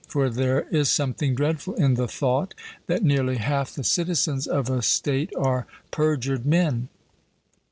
For there is something dreadful in the thought, that nearly half the citizens of a state are perjured men.